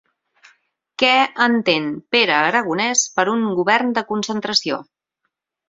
Què entén Pere Aragonès per un govern de concentració?